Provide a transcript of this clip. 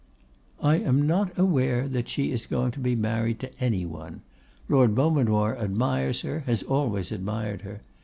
'I am not aware that she is going to be married to any one. Lord Beaumanoir admires her, has always admired her.